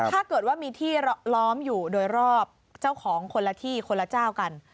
ถ้าเกิดว่ามีที่ล้อมอยู่โดยรอบเจ้าของคนละที่คนละเจ้ากัน